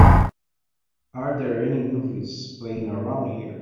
are there any movies playing around here